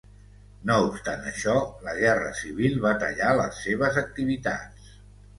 No obstant això, la Guerra Civil va tallar les seves activitats.